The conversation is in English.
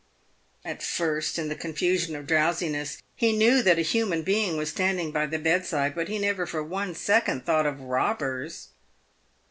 At first, in the confusion of drowsiness, he knew that a human being was standing by the bedside, but he never for one second thought of robbers.